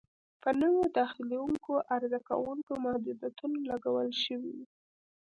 په نویو داخلېدونکو عرضه کوونکو محدودیتونه لګول شوي وي.